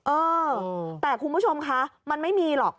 เออแต่คุณผู้ชมคะมันไม่มีหรอก